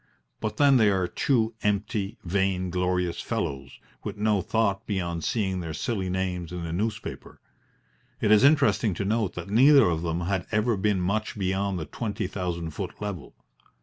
But then they are two empty, vainglorious fellows with no thought beyond seeing their silly names in the newspaper. It is interesting to note that neither of them had ever been much beyond the twenty thousand foot level.